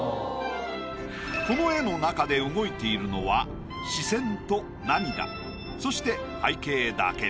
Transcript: この絵の中で動いているのは視線と涙そして背景だけ。